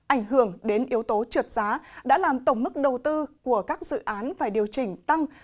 ảnh hưởng đến yếu tố trượt giá đã làm tổng mức đầu tư của các dự án phải điều chỉnh tăng